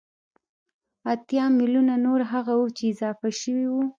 اتيا ميليونه نور هغه وو چې اضافه شوي وو